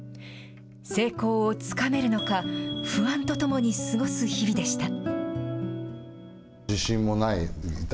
成功をつかめるのか、不安とともに過ごす日々でした。